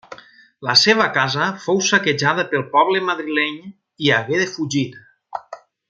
La seva casa fou saquejada pel poble madrileny, i hagué de fugir.